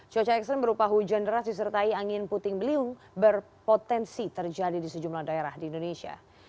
cuaca ekstrim berupa hujan deras disertai angin puting beliung berpotensi terjadi di sejumlah daerah di indonesia